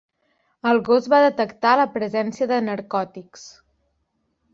El gos va detectar la presència de narcòtics.